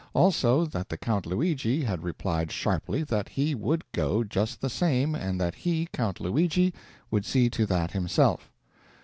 Also, that the Count Luigi had replied sharply that he would go, just the same, and that he, Count Luigi, would see to that himself.